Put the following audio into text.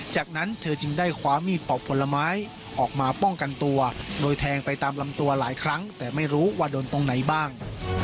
จากนั้นเธอจึงได้คว้ามีดปอกผลไม้ออกมาป้องกันตัวโดยแทงไปตามลำตัวหลายครั้งแต่ไม่รู้ว่าโดนตรงไหนบ้าง